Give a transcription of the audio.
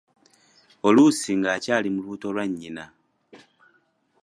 Oluusi ng’akyali mu lubuto lwa nnyina.